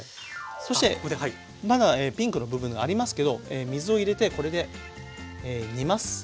そしてまだピンクの部分がありますけど水を入れてこれで煮ます。